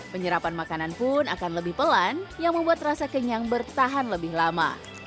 penyerapan makanan pun akan lebih pelan yang membuat rasa kenyang bertahan lebih lama